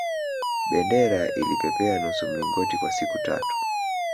bendera ilipepea nusu mlingoti kwa siku tatu